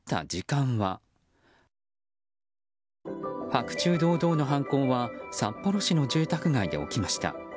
白昼堂々の犯行は札幌市の住宅街で起きました。